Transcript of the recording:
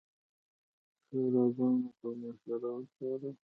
شوراګانو به مشران څارل